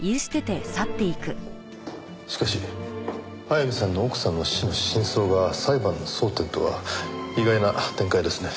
しかし早見さんの奥さんの死の真相が裁判の争点とは意外な展開ですね。